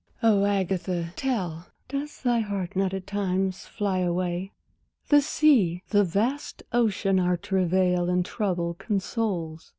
Oh, Agatha, tell! does thy heart not at times fly away? The sea, the vast ocean our travail and trouble consoles!